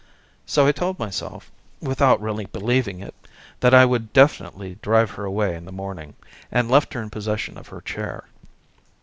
So I told myself (without really believing it), that I would definitely drive her away in the morning, and left her in possession of her chair.